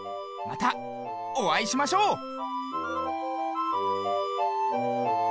またおあいしましょう！